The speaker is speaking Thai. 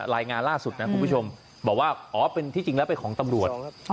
รายงานล่าสุดนะคุณผู้ชมบอกว่าอ๋อเป็นที่จริงแล้วเป็นของตำรวจ